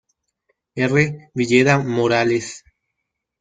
R. Villeda Morales..